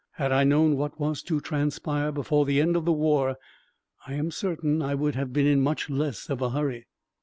Had I known what was to transpire before the end of the war, I am certain I would have been in much less of a hurry.